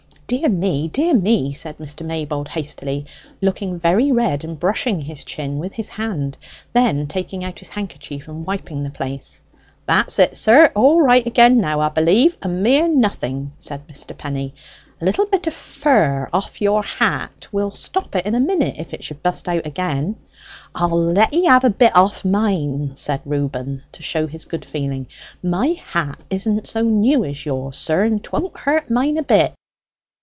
"Dear me, dear me!" said Mr. Maybold hastily, looking very red, and brushing his chin with his hand, then taking out his handkerchief and wiping the place. "That's it, sir; all right again now, 'a b'lieve a mere nothing," said Mr. Penny. "A little bit of fur off your hat will stop it in a minute if it should bust out again." "I'll let 'ee have a bit off mine," said Reuben, to show his good feeling; "my hat isn't so new as yours, sir, and 'twon't hurt mine a bit."